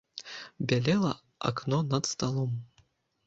Бялела акно над сталом.